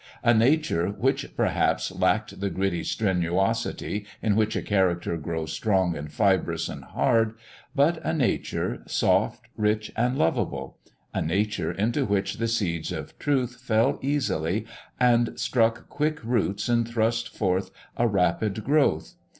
A nature which, perhaps, lacked the gritty strenuosity in which a character grows strong and fibrous and hard, but a nature soft, rich, and lovable a nature into which the seeds of truth fell easily and struck quick roots and thrust forth a rapid growth.